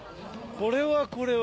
これはこれは。